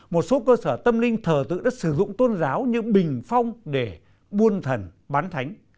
một số cơ sở tâm linh thờ tự đã sử dụng tôn giáo như bình phong để buôn thần bán thánh